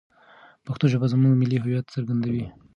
پښتو ژبه زموږ ملي هویت څرګندوي.